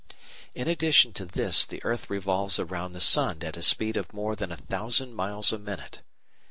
In addition to this the earth revolves round the sun at a speed of more than a thousand miles a minute.